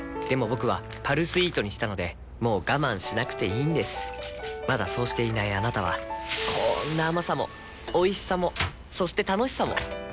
僕は「パルスイート」にしたのでもう我慢しなくていいんですまだそうしていないあなたはこんな甘さもおいしさもそして楽しさもあちっ。